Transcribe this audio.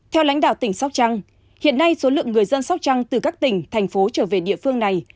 theo lãnh đạo tỉnh sóc trăng hiện nay số lượng người dân sóc trăng từ các tỉnh thành phố trở về địa phương này